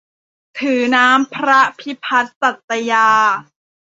ถือน้ำพระพิพัฒน์สัตยา